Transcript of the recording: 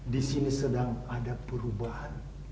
di sini sedang ada perubahan